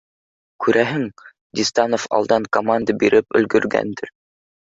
Күрәһең, Дистанов алдан команда биреп өлгөргәндер